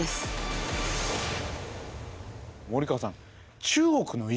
森川さん